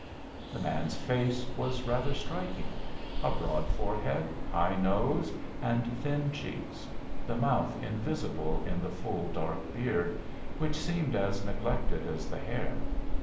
The man's face was rather striking; a broad forehead, high nose, and thin cheeks, the mouth invisible in the full dark beard, which seemed as neglected as the hair.